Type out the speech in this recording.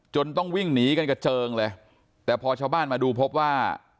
ต้องวิ่งหนีกันกระเจิงเลยแต่พอชาวบ้านมาดูพบว่า